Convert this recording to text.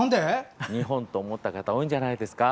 ２本と思った方多いんじゃないですか？